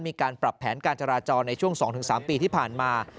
มีการปรับแผนการจราจรในช่วง๒๓ปีที่ผ่านมา